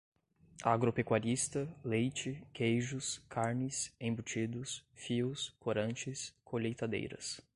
agropecuarista, leite, queijos, carnes, embutidos, fios, corantes, colheitadeiras